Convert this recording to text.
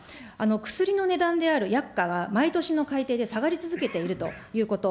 薬の値段である薬価は、毎年の改定で下がり続けているということ。